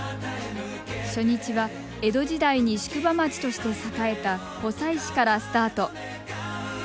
初日は江戸時代に宿場町として栄えた湖西市からスタート。